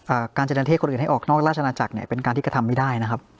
การจะดันเทศคนอื่นให้ออกนอกราชนาจักรเนี่ยเป็นการที่กระทำไม่ได้นะครับ